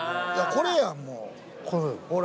これやんもうほら。